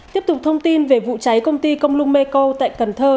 tiếp tục thông tin về vụ cháy công ty công lung me co tại cần thơ